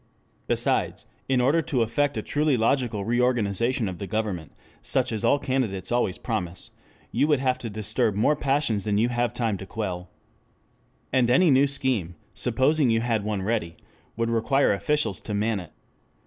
Besides, in order to effect a truly logical reorganization of the government, such as all candidates always promise, you would have to disturb more passions than you have time to quell. And any new scheme, supposing you had one ready, would require officials to man it.